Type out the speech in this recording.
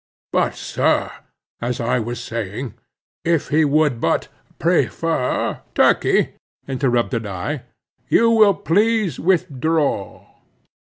But, sir, as I was saying, if he would but prefer—" "Turkey," interrupted I, "you will please withdraw."